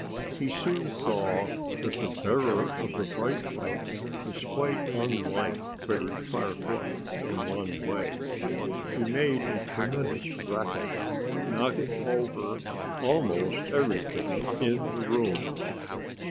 He soon saw that the bearer of the bright light was quite unlike Freddie Firefly, in one way. He made a tremendous racket, knocking over almost everything in the room.